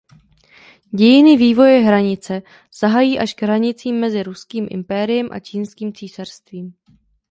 Dějiny vývoje hranice sahají až k hranicím mezi ruským impériem a čínským císařstvím.